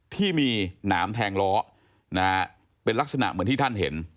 ที่มีหนามแทงล้อนะฮะเป็นลักษณะเหมือนที่ท่านเห็น